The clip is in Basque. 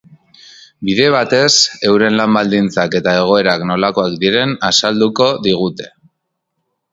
Bide batez, euren lan baldintzak eta egoera nolakoak diren azalduko digute.